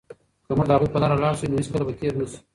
که موږ د هغوی په لاره لاړ شو، نو هېڅکله به تېرو نه شو.